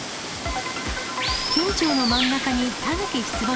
県庁の真ん中にタヌキ出没。